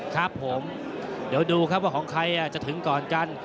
ครับผมเดี๋ยวดูครับว่าของใครจะถึงก่อนกัน